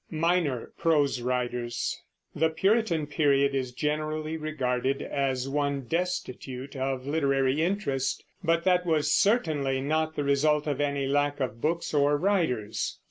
MINOR PROSE WRITERS The Puritan Period is generally regarded as one destitute of literary interest; but that was certainly not the result of any lack of books or writers.